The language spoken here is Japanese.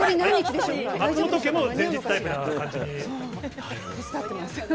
松本家も前日タイプな感じなんですね。